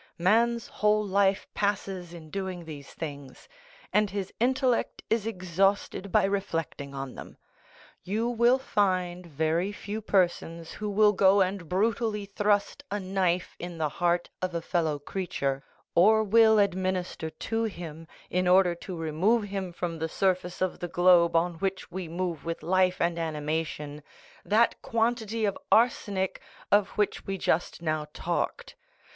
Man's whole life passes in doing these things, and his intellect is exhausted by reflecting on them. You will find very few persons who will go and brutally thrust a knife in the heart of a fellow creature, or will administer to him, in order to remove him from the surface of the globe on which we move with life and animation, that quantity of arsenic of which we just now talked.